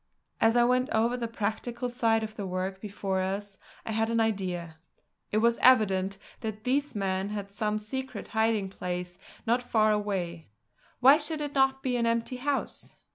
As I went over the practical side of the work before us, I had an idea. It was evident that these men had some secret hiding place not far away; why should it not be an empty house?